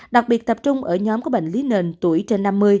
đặc biệt tập trung ở nhóm có bệnh lý nền tuổi trên năm mươi